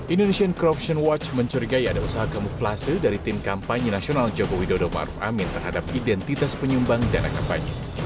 indonesian corruption watch mencurigai ada usaha kamuflase dari tim kampanye nasional jokowi dodo maruf amin terhadap identitas penyumbang dana kampanye